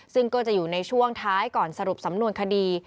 ซึ่งก็จะอยู่ในช่วงท้ายก่อนสรุปสำนวนคดี